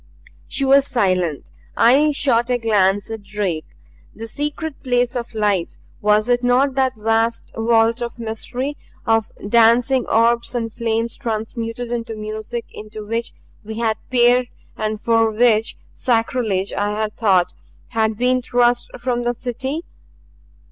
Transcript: She was silent. I shot a glance at Drake. The secret place of light was it not that vast vault of mystery, of dancing orbs and flames transmuted into music into which we had peered and for which sacrilege, I had thought, had been thrust from the City?